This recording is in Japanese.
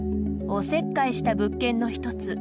おせっかいした物件の一つ。